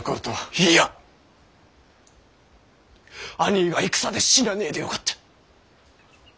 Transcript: いいやあにぃが戦で死なねぇでよかった。